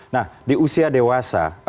nah di usia dewasa